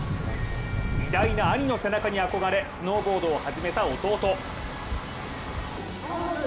偉大な兄の背中に憧れスノーボードを始めた弟。